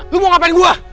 lu mau ngapain gua